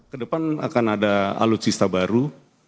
kedepan akan ada alutsista baru